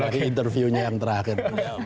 lagi interview nya yang terakhir